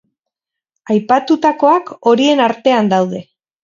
Aipatutakoak horien artean daude.